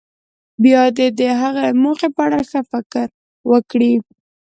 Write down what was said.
بیا دې د هغې موخې په اړه ښه فکر وکړي.